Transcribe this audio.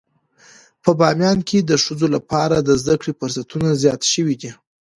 په باميان کې د ښځو لپاره د زده کړې فرصتونه زيات شوي دي.